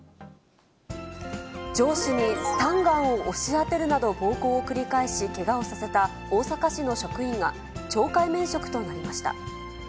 上司にスタンガンを押し当てるなど暴行を繰り返し、けがをさせた大阪市の職員が懲戒免職となりました。